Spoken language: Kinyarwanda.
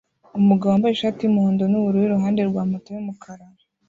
Umugabo wambaye ishati yumuhondo nubururu iruhande rwa moto yumukara